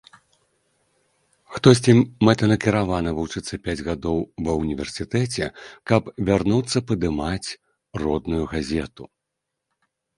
Хтосьці мэтанакіравана вучыцца пяць гадоў ва ўніверсітэце, каб вярнуцца падымаць родную газету.